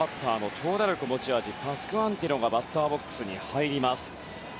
長打力持ち味パスクアンティノがバッターボックスに入ります。